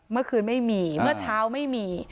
เมื่อคืนไม่มีเมื่อเช้าไม่มี